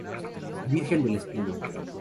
Virgen del Espino.